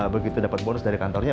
begitu dapat bonus dari kantornya